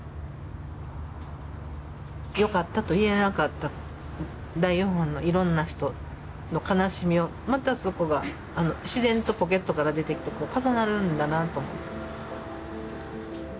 よかったと言えなかった第４波のいろんな人の悲しみをまたそこが自然とポケットから出て重なるんだなと。